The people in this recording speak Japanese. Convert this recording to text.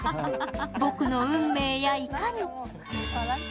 僕の運命やいかに。